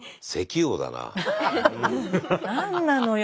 何なのよ